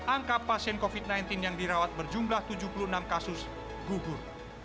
angka pasien covid sembilan belas yang dirawat berjumlah tujuh puluh enam kasus gugur